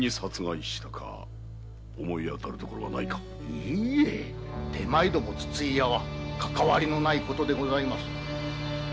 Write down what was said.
いいえ手前ども筒井屋は関係のない事でございます。